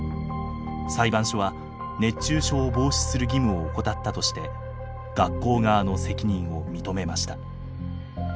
裁判所は熱中症を防止する義務を怠ったとして学校側の責任を認めました。